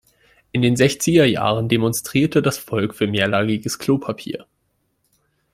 In den sechziger Jahren demonstrierte das Volk für mehrlagiges Klopapier.